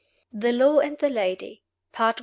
THE LAW AND THE LADY. PART I.